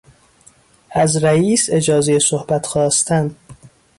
از رییس اجازهی صحبت خواستن